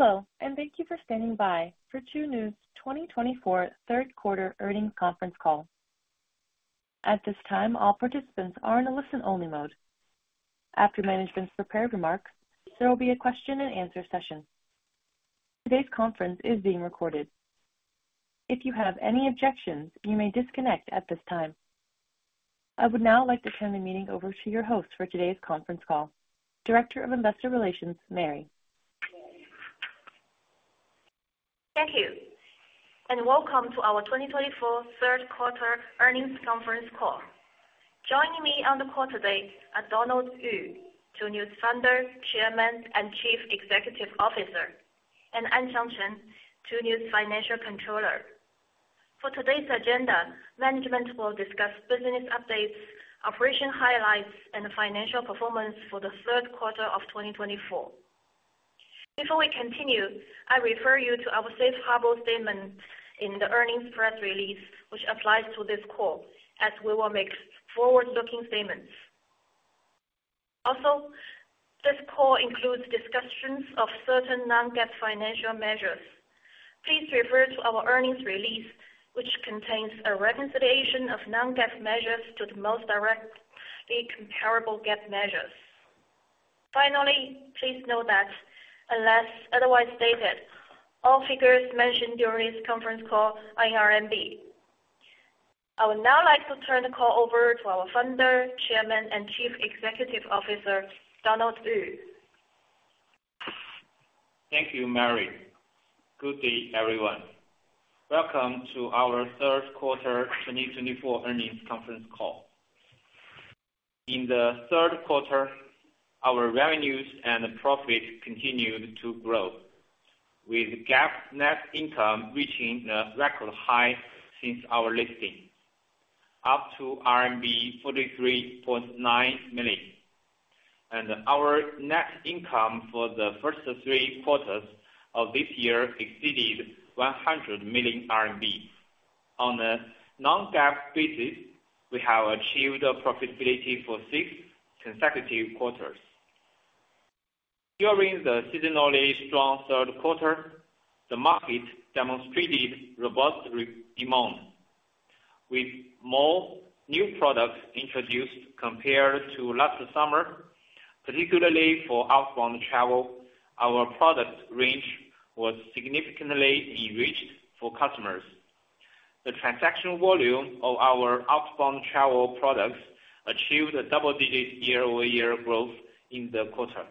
Hello, and thank you for standing by for Tuniu's 2024 third quarter earnings conference call. At this time, all participants are in a listen-only mode. After management's prepared remarks, there will be a question-and-answer session. Today's conference is being recorded. If you have any objections, you may disconnect at this time. I would now like to turn the meeting over to your host for today's conference call, Director of Investor Relations, Mary. Thank you, and welcome to our 2024 third quarter earnings conference call. Joining me on the call today are Dunde Yu, Tuniu's founder, chairman, and Chief Executive Officer, and Anqiang Chen, Tuniu's Financial Controller. For today's agenda, management will discuss business updates, operation highlights, and financial performance for the third quarter of 2024. Before we continue, I refer you to our safe harbor statement in the earnings press release, which applies to this call, as we will make forward-looking statements. Also, this call includes discussions of certain Non-GAAP financial measures. Please refer to our earnings release, which contains a reconciliation of Non-GAAP measures to the most directly comparable GAAP measures. Finally, please note that, unless otherwise stated, all figures mentioned during this conference call are in RMB. I would now like to turn the call over to our founder, chairman, and Chief Executive Officer, Dunde Yu. Thank you, Mary. Good day, everyone. Welcome to our third quarter 2024 earnings conference call. In the third quarter, our revenues and profits continued to grow, with GAAP net income reaching a record high since our listing, up to RMB 43.9 million. And our net income for the first three quarters of this year exceeded 100 million RMB. On a Non-GAAP basis, we have achieved profitability for six consecutive quarters. During the seasonally strong third quarter, the market demonstrated robust demand. With more new products introduced compared to last summer, particularly for outbound travel, our product range was significantly enriched for customers. The transaction volume of our outbound travel products achieved a double-digit year-over-year growth in the quarter.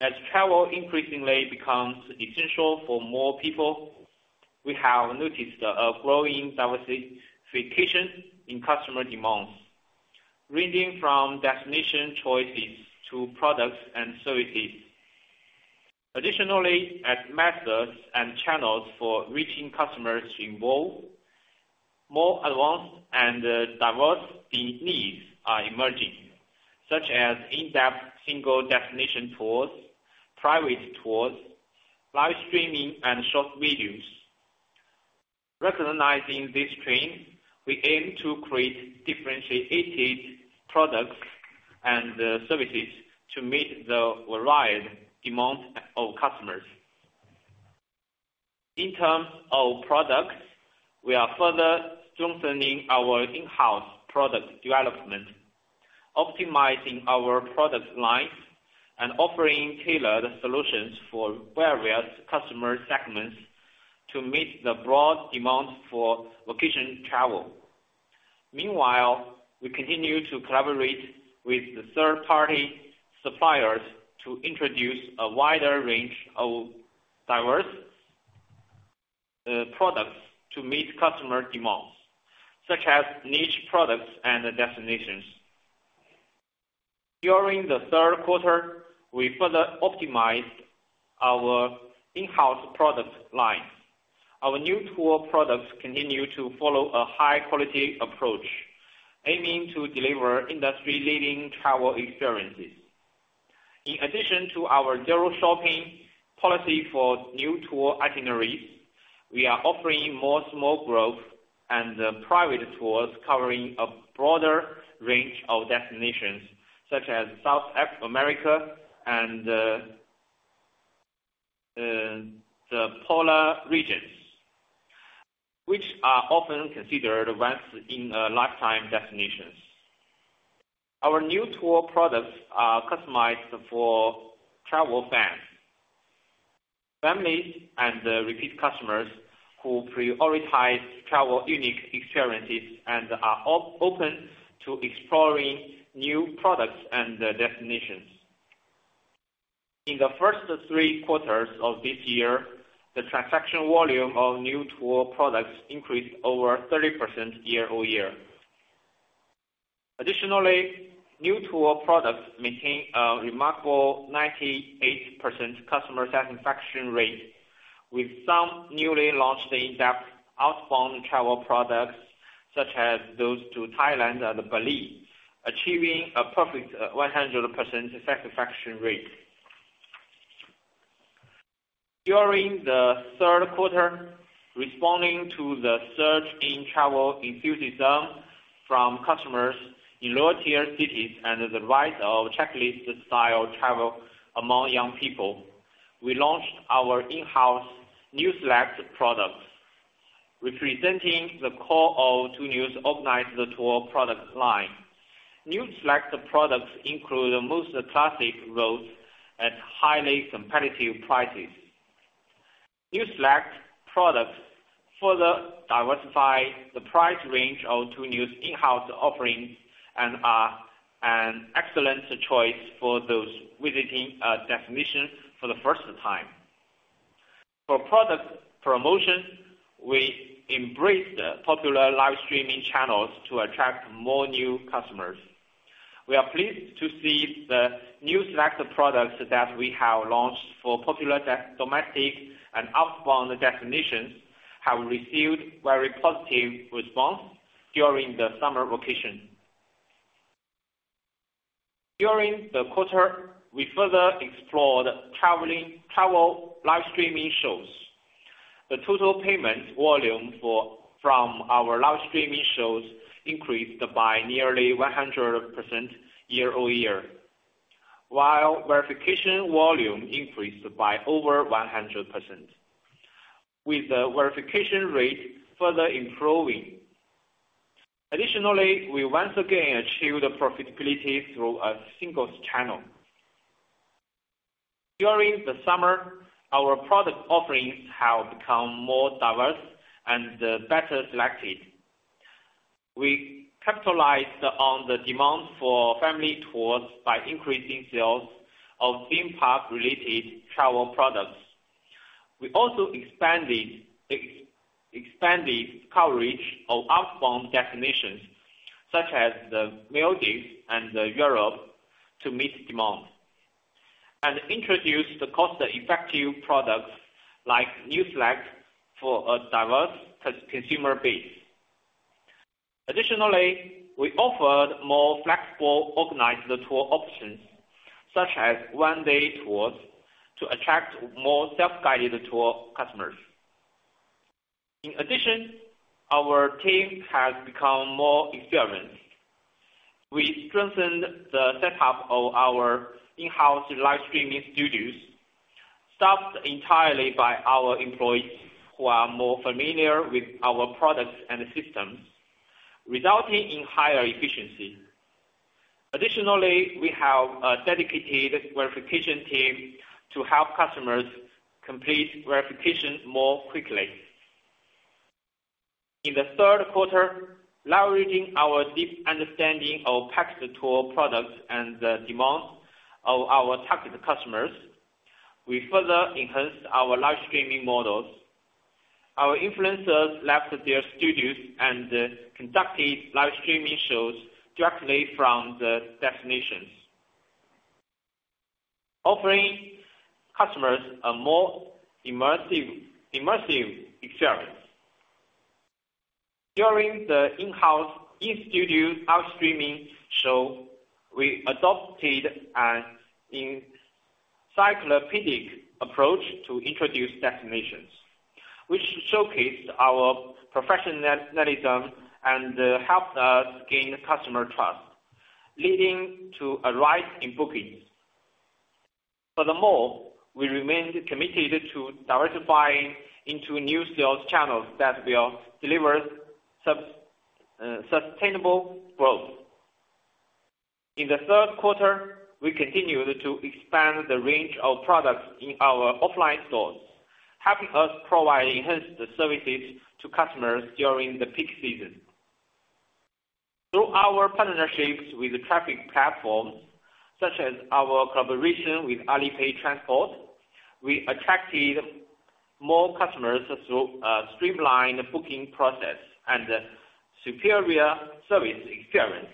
As travel increasingly becomes essential for more people, we have noticed a growing diversification in customer demands, ranging from destination choices to products and services. Additionally, as methods and channels for reaching customers evolve, more advanced and diverse needs are emerging, such as in-depth single-destination tours, private tours, live streaming, and short videos. Recognizing this trend, we aim to create differentiated products and services to meet the varied demands of customers. In terms of products, we are further strengthening our in-house product development, optimizing our product lines, and offering tailored solutions for various customer segments to meet the broad demand for vacation travel. Meanwhile, we continue to collaborate with third-party suppliers to introduce a wider range of diverse products to meet customer demands, such as niche products and destinations. During the third quarter, we further optimized our in-house product lines. Our Niu Tour products continue to follow a high-quality approach, aiming to deliver industry-leading travel experiences. In addition to our zero-shopping policy for Niu Tour itineraries, we are offering more small groups and private tours covering a broader range of destinations, such as South America and the polar regions, which are often considered once-in-a-lifetime destinations. Our Niu Tour products are customized for travel fans, families, and repeat customers who prioritize travel unique experiences and are open to exploring new products and destinations. In the first three quarters of this year, the transaction volume of Niu Tour products increased over 30% year-over-year. Additionally, Niu Tour products maintain a remarkable 98% customer satisfaction rate, with some newly launched in-depth outbound travel products, such as those to Thailand and Bali, achieving a perfect 100% satisfaction rate. During the third quarter, responding to the surge in travel enthusiasm from customers in lower-tier cities and the rise of checklist-style travel among young people, we launched our in-house Niu Select products, representing the core of Tuniu's organized tour product line. Niu Select products include most classic routes at highly competitive prices. Niu Select products further diversify the price range of Tuniu's in-house offerings and are an excellent choice for those visiting a destination for the first time. For product promotion, we embraced popular live streaming channels to attract more new customers. We are pleased to see the Niu Select products that we have launched for popular domestic and outbound destinations have received very positive responses during the summer vacation. During the quarter, we further explored travel live streaming shows. The total payment volume from our live streaming shows increased by nearly 100% year-over-year, while verification volume increased by over 100%, with the verification rate further improving. Additionally, we once again achieved profitability through a single channel. During the summer, our product offerings have become more diverse and better selected. We capitalized on the demand for family tours by increasing sales of theme park-related travel products. We also expanded coverage of outbound destinations, such as the Maldives and Europe, to meet demand, and introduced cost-effective products like Niu Select for a diverse consumer base. Additionally, we offered more flexible organized tour options, such as one-day tours, to attract more self-guided tour customers. In addition, our team has become more experienced. We strengthened the setup of our in-house live streaming studios, staffed entirely by our employees who are more familiar with our products and systems, resulting in higher efficiency. Additionally, we have a dedicated verification team to help customers complete verification more quickly. In the third quarter, leveraging our deep understanding of package tour products and the demand of our target customers, we further enhanced our live streaming models. Our influencers left their studios and conducted live streaming shows directly from the destinations, offering customers a more immersive experience. During the in-house in-studio live streaming show, we adopted an encyclopedic approach to introduce destinations, which showcased our professionalism and helped us gain customer trust, leading to a rise in bookings. Furthermore, we remained committed to diversifying into new sales channels that will deliver sustainable growth. In the third quarter, we continued to expand the range of products in our offline stores, helping us provide enhanced services to customers during the peak season. Through our partnerships with traffic platforms, such as our collaboration with Alipay Transport, we attracted more customers through a streamlined booking process and superior service experience,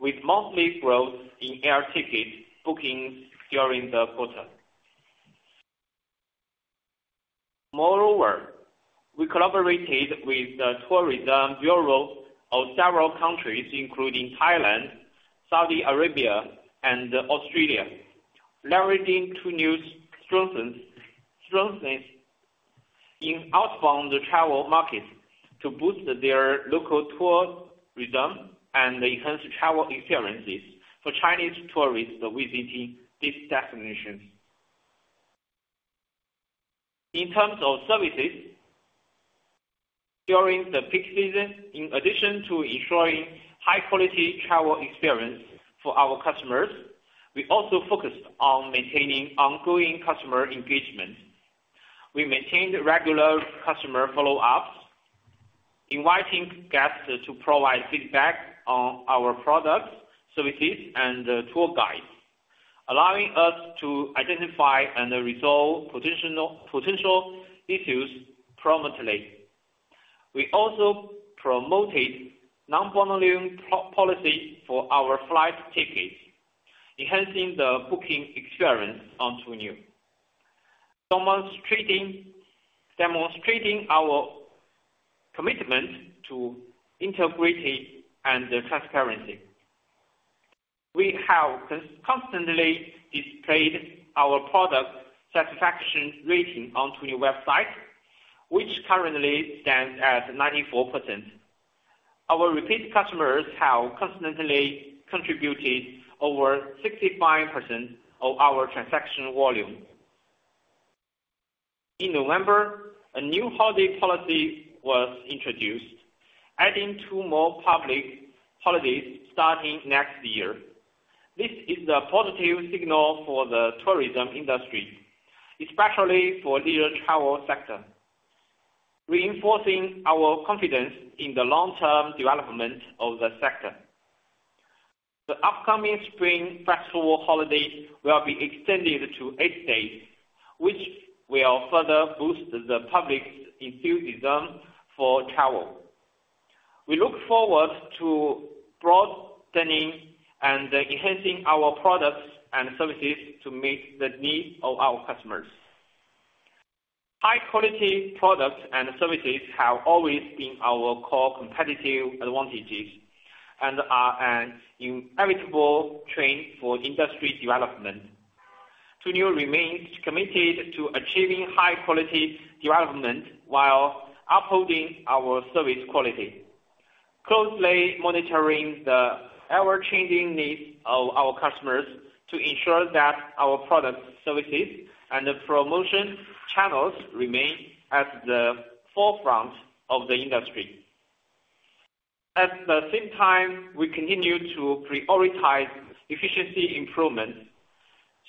with monthly growth in air ticket bookings during the quarter. Moreover, we collaborated with the tourism bureaus of several countries, including Thailand, Saudi Arabia, and Australia, leveraging Tuniu's strengths in outbound travel markets to boost their local tourism and enhance travel experiences for Chinese tourists visiting these destinations. In terms of services, during the peak season, in addition to ensuring high-quality travel experiences for our customers, we also focused on maintaining ongoing customer engagement. We maintained regular customer follow-ups, inviting guests to provide feedback on our products, services, and tour guides, allowing us to identify and resolve potential issues promptly. We also promoted zero-shopping policies for our flight tickets, enhancing the booking experience on Tuniu, demonstrating our commitment to integrity and transparency. We have constantly displayed our product satisfaction rating on Tuniu's website, which currently stands at 94%. Our repeat customers have constantly contributed over 65% of our transaction volume. In November, a new holiday policy was introduced, adding two more public holidays starting next year. This is a positive signal for the tourism industry, especially for the leisure travel sector, reinforcing our confidence in the long-term development of the sector. The Spring Festival holidays will be extended to eight days, which will further boost the public's enthusiasm for travel. We look forward to broadening and enhancing our products and services to meet the needs of our customers. High-quality products and services have always been our core competitive advantages and are an inevitable trend for industry development. Tuniu remains committed to achieving high-quality development while upholding our service quality, closely monitoring the ever-changing needs of our customers to ensure that our products, services, and promotion channels remain at the forefront of the industry. At the same time, we continue to prioritize efficiency improvement,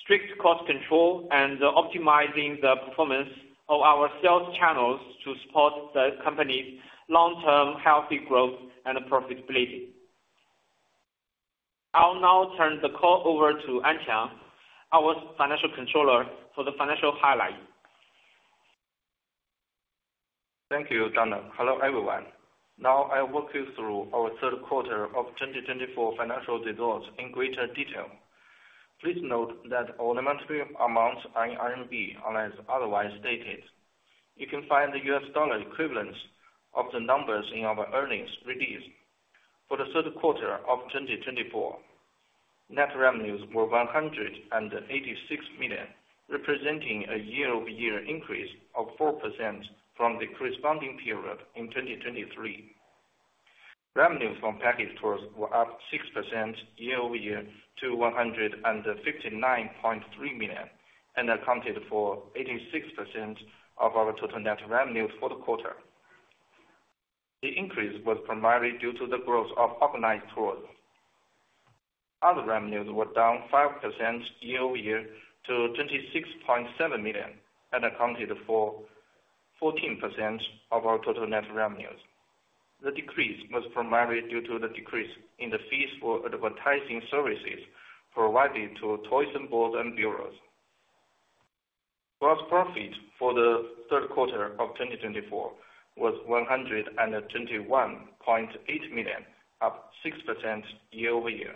strict cost control, and optimizing the performance of our sales channels to support the company's long-term healthy growth and profitability. I'll now turn the call over to Anqiang, our Financial Controller, for the financial highlight. Thank you, Donald. Hello, everyone. Now, I'll walk you through our third quarter of 2024 financial results in greater detail. Please note that all nominal amounts are in RMB, unless otherwise stated. You can find the US dollar equivalents of the numbers in our earnings release for the third quarter of 2024. Net revenues were 186 million, representing a year-over-year increase of 4% from the corresponding period in 2023. Revenues from package tours were up 6% year-over-year to 159.3 million and accounted for 86% of our total net revenue for the quarter. The increase was primarily due to the growth of organized tours. Other revenues were down 5% year-over-year to 26.7 million and accounted for 14% of our total net revenues. The decrease was primarily due to the decrease in the fees for advertising services provided to tourism boards and bureaus. Gross profit for the third quarter of 2024 was 121.8 million, up 6% year-over-year.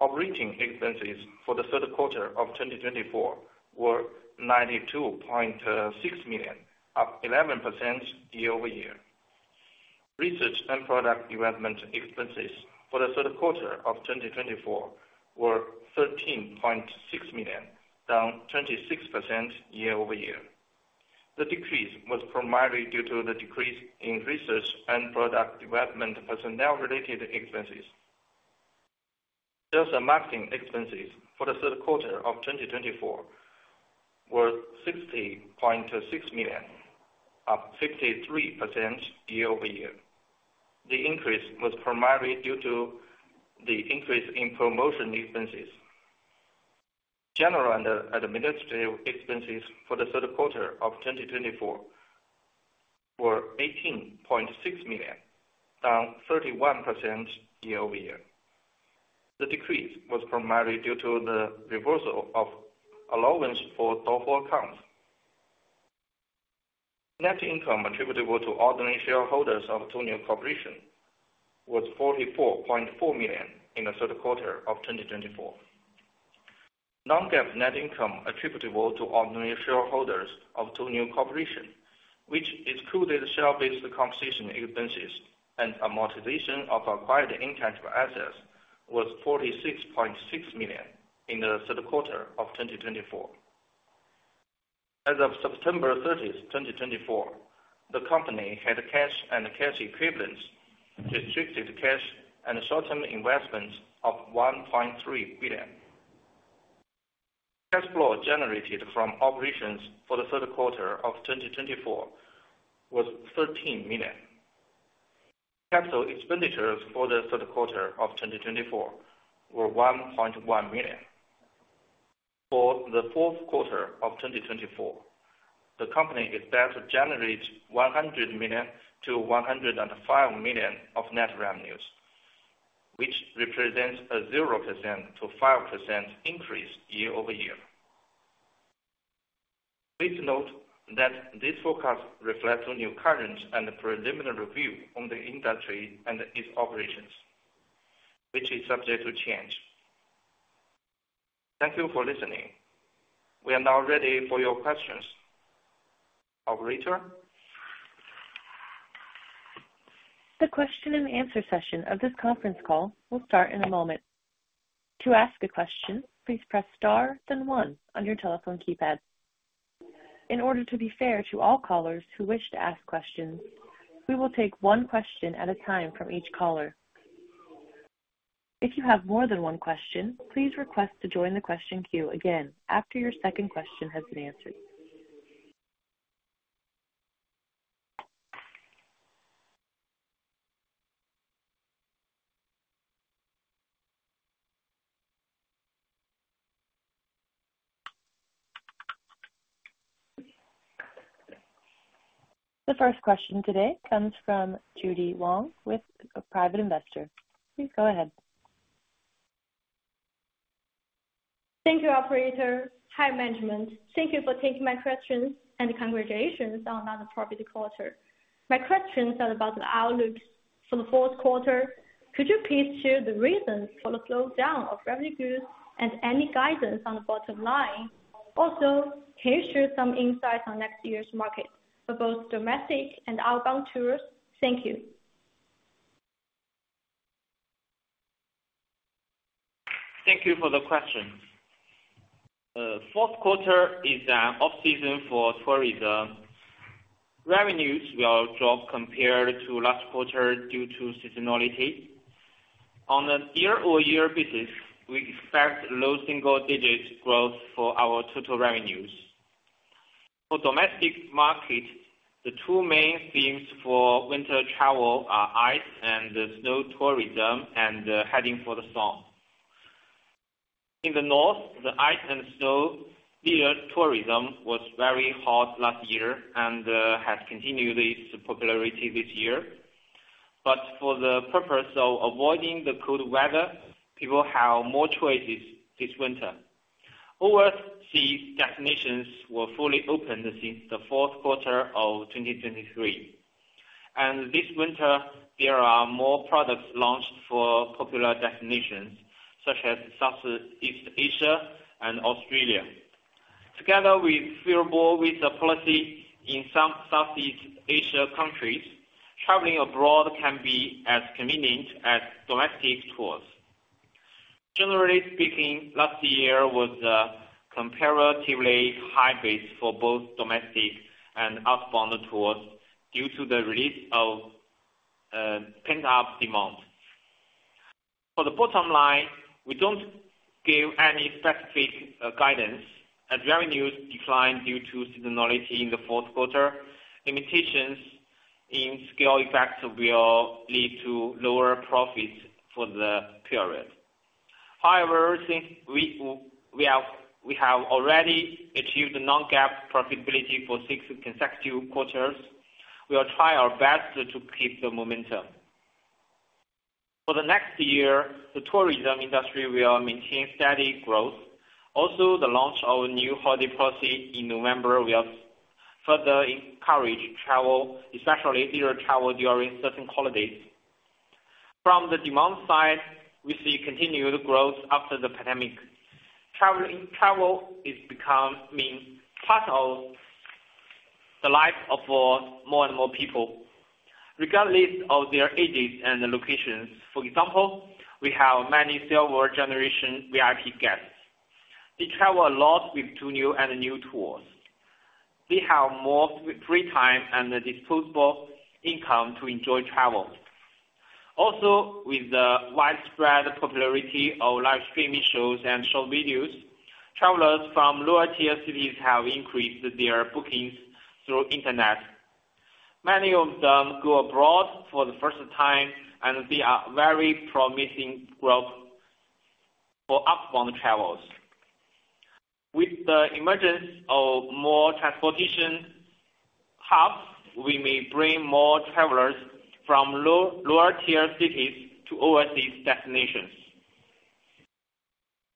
Operating expenses for the third quarter of 2024 were 92.6 million, up 11% year-over-year. Research and product development expenses for the third quarter of 2024 were 13.6 million, down 26% year-over-year. The decrease was primarily due to the decrease in research and product development personnel-related expenses. Sales and marketing expenses for the third quarter of 2024 were 60.6 million, up 53% year-over-year. The increase was primarily due to the increase in promotion expenses. General and administrative expenses for the third quarter of 2024 were 18.6 million, down 31% year-over-year. The decrease was primarily due to the reversal of allowance for doubtful accounts. Net income attributable to ordinary shareholders of Tuniu Corporation was 44.4 million in the third quarter of 2024. Non-GAAP net income attributable to ordinary shareholders of Tuniu Corporation, which included share-based compensation expenses and amortization of acquired intangible assets, was 46.6 million in the third quarter of 2024. As of September 30, 2024, the company had cash and cash equivalents, restricted cash, and short-term investments of 1.3 billion. Cash flow generated from operations for the third quarter of 2024 was 13 million. Capital expenditures for the third quarter of 2024 were 1.1 million. For the fourth quarter of 2024, the company is set to generate 100 million-105 million of net revenues, which represents a 0%-5% increase year-over-year. Please note that this forecast reflects Tuniu's current and preliminary view on the industry and its operations, which is subject to change. Thank you for listening. We are now ready for your questions. Operator. The question-and-answer session of this conference call will start in a moment. To ask a question, please press star, then one on your telephone keypad. In order to be fair to all callers who wish to ask questions, we will take one question at a time from each caller. If you have more than one question, please request to join the question queue again after your second question has been answered. The first question today comes from Judy Wong with a private investor. Please go ahead. Thank you, Operator. Hi, management. Thank you for taking my questions and congratulations on another profit quarter. My questions are about the outlooks for the fourth quarter. Could you please share the reasons for the slowdown of revenue growth and any guidance on the bottom line? Also, can you share some insights on next year's market for both domestic and outbound tours? Thank you. Thank you for the question. The fourth quarter is an off-season for tourism. Revenues will drop compared to last quarter due to seasonality. On a year-over-year basis, we expect low single-digit growth for our total revenues. For domestic markets, the two main themes for winter travel are ice and snow tourism and heading for the summer. In the north, the ice and snow leisure tourism was very hot last year and has continued its popularity this year. But for the purpose of avoiding the cold weather, people have more choices this winter. Overseas destinations were fully opened since the fourth quarter of 2023. And this winter, there are more products launched for popular destinations such as Southeast Asia and Australia. Together with favorable visa policy in some Southeast Asia countries, traveling abroad can be as convenient as domestic tours. Generally speaking, last year was a comparatively high base for both domestic and outbound tours due to the release of pent-up demand. For the bottom line, we don't give any specific guidance. As revenues decline due to seasonality in the fourth quarter, limitations in scale effects will lead to lower profits for the period. However, since we have already achieved Non-GAAP profitability for six consecutive quarters, we will try our best to keep the momentum. For the next year, the tourism industry will maintain steady growth. Also, the launch of a new holiday policy in November will further encourage travel, especially leisure travel during certain holidays. From the demand side, we see continued growth after the pandemic. Travel has become part of the life of more and more people, regardless of their ages and locations. For example, we have many silver generation VIP guests. They travel a lot with Tuniu and Niu Tours. They have more free time and disposable income to enjoy travel. Also, with the widespread popularity of live streaming shows and short videos, travelers from lower-tier cities have increased their bookings through the internet. Many of them go abroad for the first time, and there is very promising growth for outbound travels. With the emergence of more transportation hubs, we may bring more travelers from lower-tier cities to overseas destinations.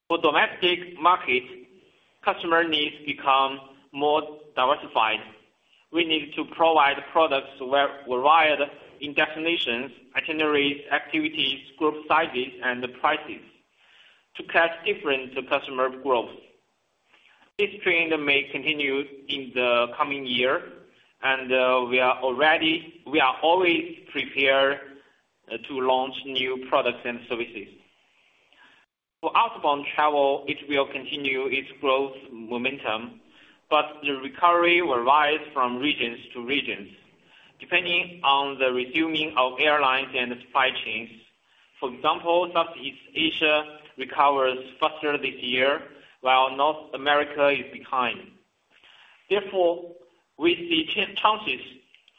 For domestic markets, customer needs become more diversified. We need to provide products well varied in destinations, itineraries, activities, group sizes, and prices to catch different customer groups. This trend may continue in the coming year, and we are always prepared to launch new products and services. For outbound travel, it will continue its growth momentum, but the recovery will rise from region to region, depending on the resuming of airlines and supply chains. For example, Southeast Asia recovers faster this year, while North America is behind. Therefore, we see chances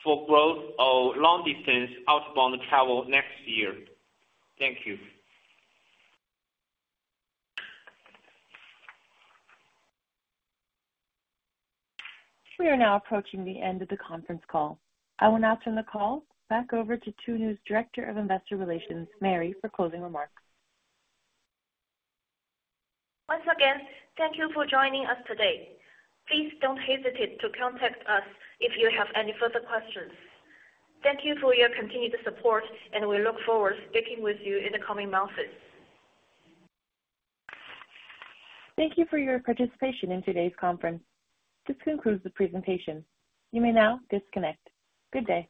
for growth of long-distance outbound travel next year. Thank you. We are now approaching the end of the conference call. I will now turn the call back over to Tuniu's Director of Investor Relations, Mary, for closing remarks. Once again, thank you for joining us today. Please don't hesitate to contact us if you have any further questions. Thank you for your continued support, and we look forward to speaking with you in the coming months. Thank you for your participation in today's conference. This concludes the presentation. You may now disconnect. Good day.